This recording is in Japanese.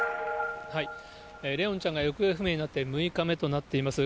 怜音ちゃんが行方不明になって６日目となっています。